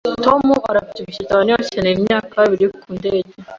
Tom arabyibushye cyane akeneye imyanya ibiri ku ndege.